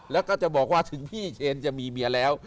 แล้วก็จะบอกว่าถึงพี่เชนจะมีเมียแล้ว